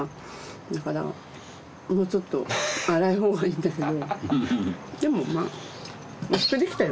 だからもうちょっと粗いほうがいいんだけど。